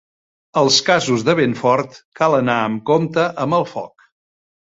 Els casos de vent fort cal anar amb compte amb el foc.